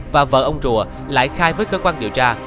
và vợ ông rùa lại khai với cơ quan điều tra